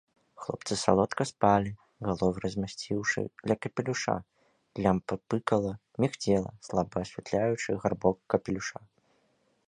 Хлопцы салодка спалі, галовы размясціўшы ля капелюша, лямпа пыкала, мігцела, слаба асвятляючы гарбок капелюша.